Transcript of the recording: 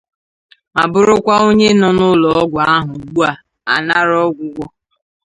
ma bụrụkwa onye nọ n'ụlọọgwụ ahụ ugbua anara ọgwụgwọ.